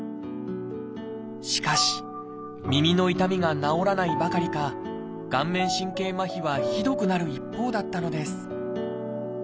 しかし耳の痛みが治らないばかりか顔面神経麻痺はひどくなる一方だったのです。